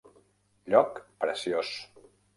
lloc preciós